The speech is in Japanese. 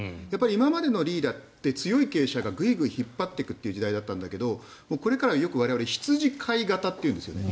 今までのリーダーって強い経営者がぐいぐい引っ張っていくという時代だったんだけどこれからよく我々羊飼い型というんです。